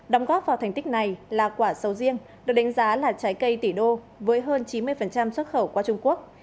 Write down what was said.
đồng góp vào thành tích này là quả sầu riêng được đánh giá là trái cây tỷ đô với hơn chín mươi xuất khẩu qua trung quốc